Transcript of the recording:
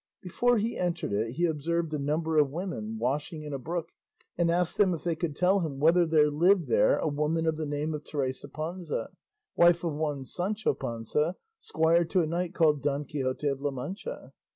Before he entered it he observed a number of women washing in a brook, and asked them if they could tell him whether there lived there a woman of the name of Teresa Panza, wife of one Sancho Panza, squire to a knight called Don Quixote of La Mancha.